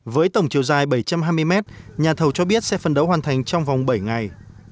với tổng chiều dài bảy trăm hai mươi m nhà thầu cho biết sẽ phấn đấu hoàn thành trong vòng bảy ngày